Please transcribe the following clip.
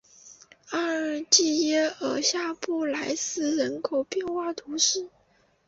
阿尔济耶尔下布来斯人口变化图示